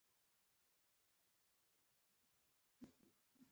لوېدیځه اروپا ایله بنسټونو څخه برخمنه شوه.